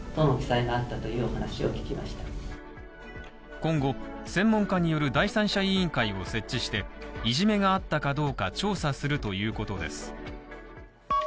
今後、専門家による第三者委員会を設置して、いじめがあったかどうか調査するということです。